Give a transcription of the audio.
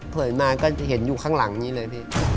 มาก็เห็นอยู่ข้างหลังนี้เลยพี่